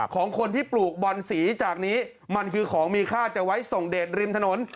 ของคนที่ปลูกบอนสีจากนี้มันคือของมีค่าจะไว้ส่งเดทริมถนน